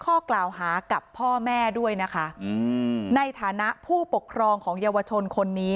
ข้อกล่าวหากับพ่อแม่ด้วยนะคะอืมในฐานะผู้ปกครองของเยาวชนคนนี้